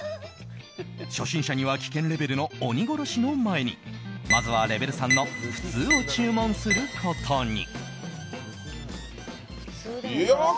初心者には危険レベルの鬼殺しの前にまずはレベル３の普通を注文することに。